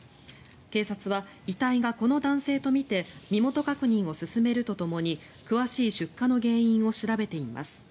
警察は遺体がこの男性とみて身元確認を進めるとともに詳しい出火の原因を調べています。